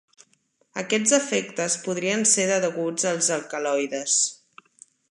Aquests efectes podrien ser deguts als alcaloides.